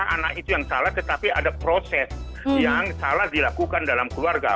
anak itu yang salah tetapi ada proses yang salah dilakukan dalam keluarga